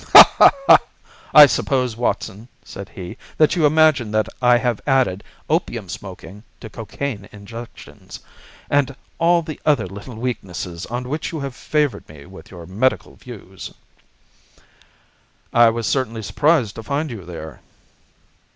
"I suppose, Watson," said he, "that you imagine that I have added opium smoking to cocaine injections, and all the other little weaknesses on which you have favoured me with your medical views." "I was certainly surprised to find you there."